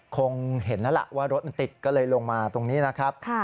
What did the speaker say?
คงเห็นแล้วล่ะว่ารถมันติดก็เลยลงมาตรงนี้นะครับ